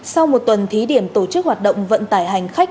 sau một tuần thí điểm tổ chức hoạt động vận tải hành khách